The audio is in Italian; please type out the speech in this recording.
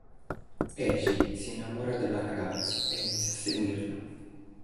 Eiji si innamora della ragazza e inizia a seguirla.